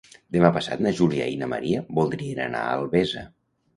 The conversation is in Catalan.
Demà passat na Júlia i na Maria voldrien anar a Albesa.